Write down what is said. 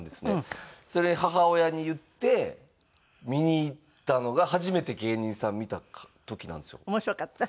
それ母親に言って見に行ったのが初めて芸人さん見た時なんですよ。面白かった？